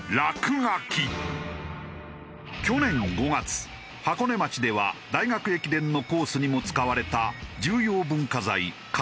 去年５月箱根町では大学駅伝のコースにも使われた重要文化財函